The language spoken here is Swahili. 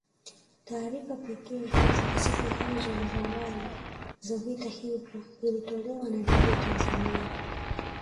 Taarifa pekee katika siku hizo za wali za vita hivyo ilitolewa na Redio Tanzania